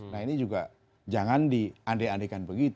nah ini juga jangan diandai andai